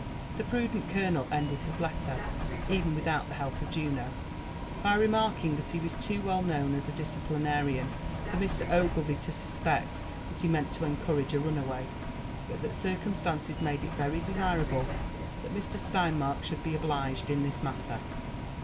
The prudent colonel ended his letter, eyen without the help of Juno, by remarking that be was too well kAown a disciplinarian for Mr. 0§^etie to suspect that he meant to encourage a runaway, but that circumstances made it very desirable that Mr. Steinmark should be obliged in this matter.